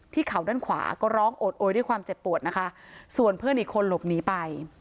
เข่าด้านขวาก็ร้องโอดโอยด้วยความเจ็บปวดนะคะส่วนเพื่อนอีกคนหลบหนีไป